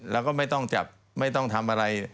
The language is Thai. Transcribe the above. แล้วก็ไม่ต้องจับไม่ต้องทำอะไร